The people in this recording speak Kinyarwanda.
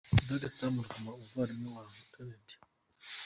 Dr. Sam Ruvuma, umuvandimwe wa Lt.